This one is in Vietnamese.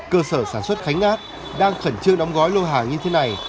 cơ sở sản xuất khánh ngát đang khẩn trương đóng gói lô hàng như thế này